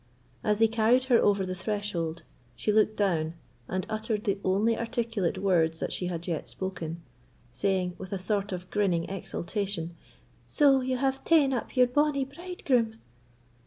As they carried her over the threshold, she looked down, and uttered the only articulate words that she had yet spoken, saying, with a sort of grinning exultation, "So, you have ta'en up your bonny bridegroom?"